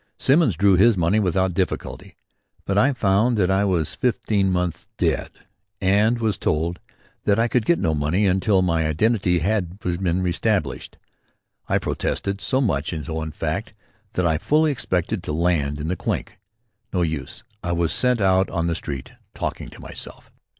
Simmons drew his money without difficulty but I found that I was fifteen months dead and was told that I could get no money until my identity was reëstablished. I protested; so much so in fact that I fully expected to land in the "clink." No use. I was sent out on the street talking to myself.